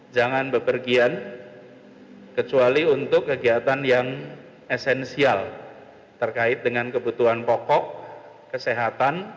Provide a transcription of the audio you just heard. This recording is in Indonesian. jangan bepergian kecuali untuk kegiatan yang esensial terkait dengan kebutuhan pokok kesehatan